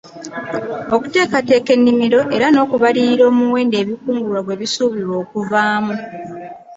Okuteekateeka ennimiro era n’okubalirira omuwendo ebikungulwa gwe bisuubirwa okuvaamu.